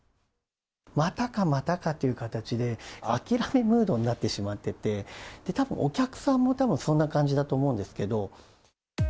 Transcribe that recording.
またかまたかという形で、諦めムードになってしまってて、たぶんお客さんもたぶん、そんな感じだと思うんですけど。